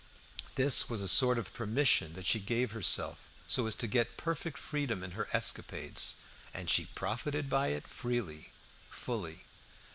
This was a sort of permission that she gave herself, so as to get perfect freedom in her escapades. And she profited by it freely, fully.